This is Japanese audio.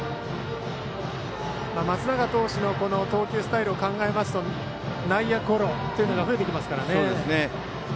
松永投手の投球スタイルを考えますと内野ゴロが増えてきますからね。